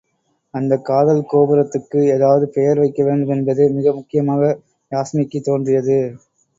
அந்தக் காதல் கோபுரத்துக்கு ஏதாவது பெயர் வைக்க வேண்டுமென்பது மிக முக்கியமாக யாஸ்மிக்குத் தோன்றியது.